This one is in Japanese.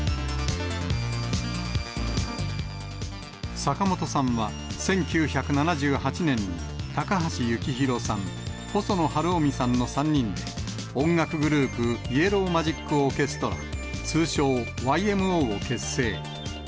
坂本さんは１９７８年に、高橋幸宏さん、細野晴臣さんの３人で、音楽グループ、ＹＥＬＬＯＷＭＡＧＩＣＯＲＣＨＥＳＴＲＡ、通称ＹＭＯを結成。